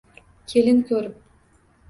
Kelin ko’rib